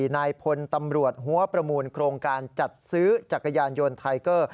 นายพลตำรวจหัวประมูลโครงการจัดซื้อจักรยานยนต์ไทเกอร์